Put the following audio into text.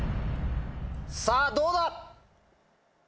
さぁどうだ？